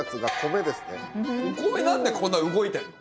お米なんでこんな動いてるの？